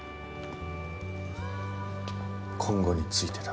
今後についてだ。